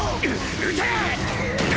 撃て！